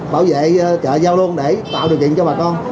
bảo vệ chợ giao đôn để tạo điều kiện cho bà con